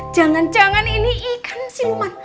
jangan jangan ini ikan silman